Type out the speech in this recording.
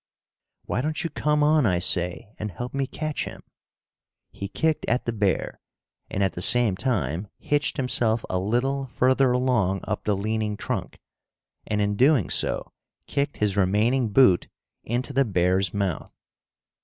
"Why don't you come on, I say, and help me catch him?" He kicked at the bear, and at the same time hitched himself a little further along up the leaning trunk, and in doing so kicked his remaining boot into the bear's mouth.